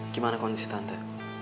gimana kondisi tante